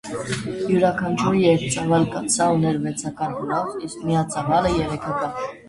Իւրաքանչիւր երկծաւալ կաթսայ ունէր վեցական հնոց, իսկ միածաւալը՝ երեքական։